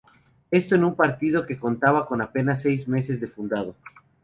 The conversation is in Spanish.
Esto en un partido que contaba con apenas seis meses de fundado.